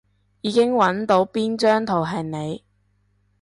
已經搵到邊張圖係你